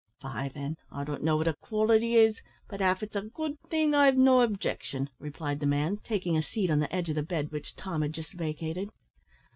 "Faix, then, I don't know what a `quality' is, but av it's a good thing I've no objection," replied the man, taking a seat on the edge of the bed which Tom had just vacated.